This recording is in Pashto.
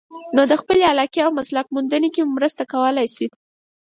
نو د خپلې علاقې او مسلک موندلو کې مو مرسته کولای شي.